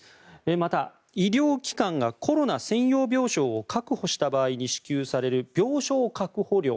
また、医療機関がコロナ専用病床を確保した場合に支給される病床確保料